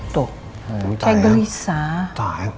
tuh kayak gelisah